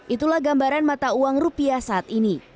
itulah gambaran mata uang rupiah saat ini